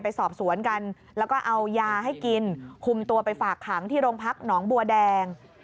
ไปสอบสวนกันแล้วก็เอายาให้กินคุมตัวไปฝากขังที่โรงพักหนองบัวแดง